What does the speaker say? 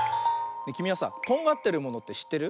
きみはさとんがってるものってしってる？